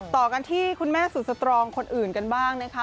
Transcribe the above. ต่อกันที่คุณแม่สุดสตรองคนอื่นกันบ้างนะคะ